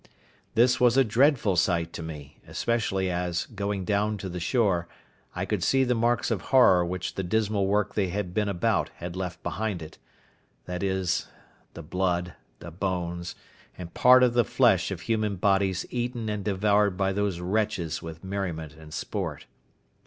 This was a dreadful sight to me, especially as, going down to the shore, I could see the marks of horror which the dismal work they had been about had left behind it—viz. the blood, the bones, and part of the flesh of human bodies eaten and devoured by those wretches with merriment and sport.